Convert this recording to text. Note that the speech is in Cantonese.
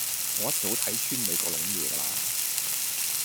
我一早睇穿你嗰籠嘢架喇